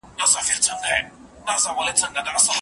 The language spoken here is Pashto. هوښيارانو تل د ارزښت خبره کړې ده.